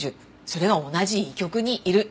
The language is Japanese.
それが同じ医局にいる。